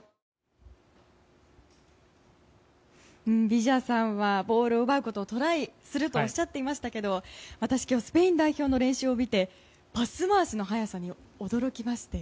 ビジャさんはボールを奪うことをトライするとおっしゃっていましたが私、今日スペイン代表の練習を見てパス回しの速さに驚きまして。